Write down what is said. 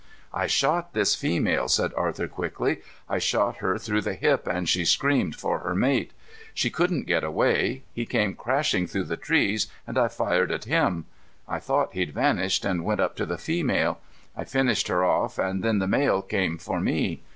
"I shot this female," said Arthur quickly. "I shot her through the hip and she screamed for her mate. She couldn't get away. He came crashing through the trees, and I fired at him. I thought he'd vanished and went up to the female. I finished her off, and then the male came for me.